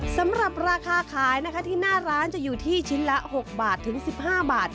สำหรับราคาขายที่หน้าร้านจะอยู่ที่ชิ้นละ๖๑๕บาท